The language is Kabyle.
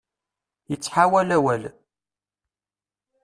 Ittḥawal awal.